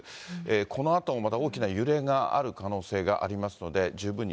このあともまた大きな揺れがある可能性があります